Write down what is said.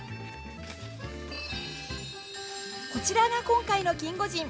こちらが今回のキンゴジン。